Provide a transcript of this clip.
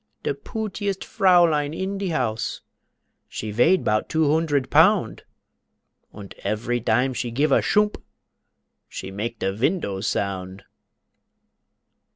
De pootiest Fraeulein in de House, She vayed 'pout dwo hoondred pound, Und efery dime she gife a shoomp She make de vindows sound.